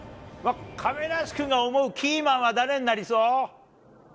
亀梨君が思うキーマンは、誰になりそう？